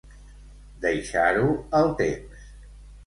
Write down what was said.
Deixar-ho al temps.